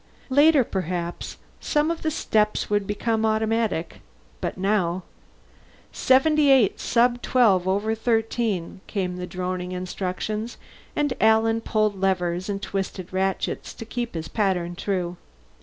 Later, perhaps, some of the steps would become automatic, but now "Seventy eight sub twelve over thirteen," came the droning instructions, and Alan pulled levers and twisted ratchets to keep his pattern true.